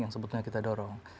yang sebetulnya kita dorong